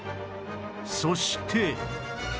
そして